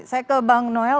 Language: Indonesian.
saya ke bang noel